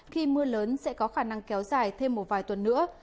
khi mưa lớn sẽ có khả năng kéo dài thêm một vài tuần nữa